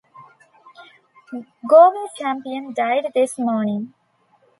Gower Champion died this morning.